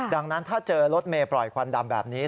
ดังนั้นถ้าเจอรถเมย์ปล่อยควันดำแบบนี้